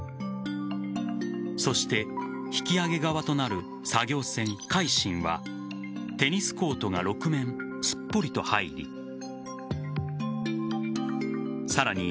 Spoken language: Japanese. そして引き揚げ側となる作業船「海進」はテニスコートが６面すっぽりと入りさらに